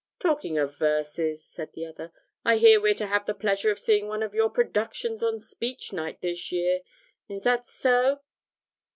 'Talking of verses,' said the other, 'I hear we're to have the pleasure of seeing one of your productions on Speech night this year. Is that so?'